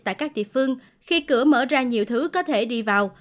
tại các địa phương khi cửa mở ra nhiều thứ có thể đi vào